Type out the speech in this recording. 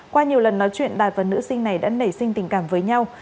qua nhiều lần nói chuyện đạt và nữ sinh này đã nảy sinh tình cảm với nhau